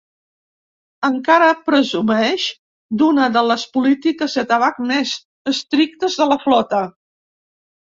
Encara presumeix d'una de les polítiques de tabac més estrictes de la flota.